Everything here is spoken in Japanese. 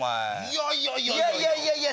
いやいやいやいや。